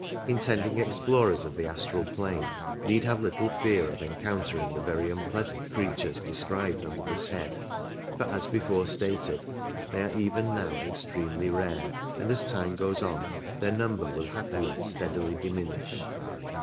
Intending explorers of the astral plane need have little fear of encountering the very unpleasant creatures described under this head, for, as before stated, they are even now extremely rare, and as time goes on their number will happily steadily diminish.